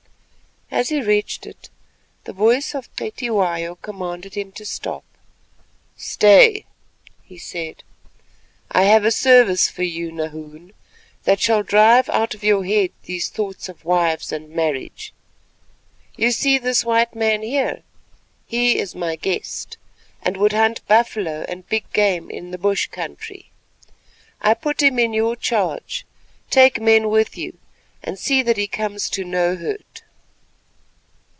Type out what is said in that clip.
As he reached it, the voice of Cetywayo commanded him to stop. "Stay," he said, "I have a service for you, Nahoon, that shall drive out of your head these thoughts of wives and marriage. You see this white man here; he is my guest, and would hunt buffalo and big game in the bush country. I put him in your charge; take men with you, and see that he comes to no hurt.